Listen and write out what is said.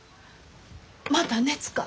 また熱か？